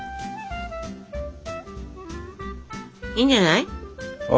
いいんじゃない。ＯＫ。